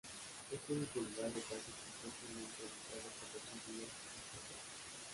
Es único lugar de casi completamente habitado por los judíos montañesas.